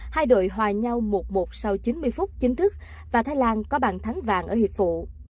hai đội hòa nhau một một sau chín mươi phút chính thức và thái lan có bàn thắng vàng ở hiệp vụ